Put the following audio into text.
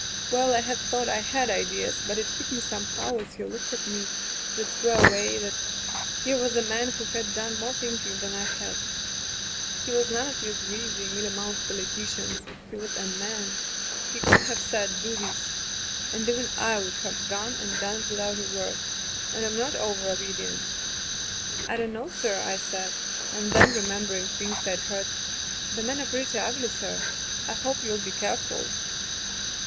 "Well, I had thought I had ideas, but it hit me somehow, as he looked at me, that [ 220 ] Digitized by LjOOQ IC Martha square way, that here was a man who had done more thinking than I had. He was none of your greasy, mealy mouthed politicians. He was a man. He could have said: *Do this,' and even I would have gone and done it without a word, and Vm not over obedient. "*I don't know, sir,* I said, and then, re membering things Fd heard: *The men are pretty ugly, sir. I hope you'll be careful.